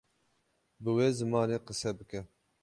bi wê zimanê qise bike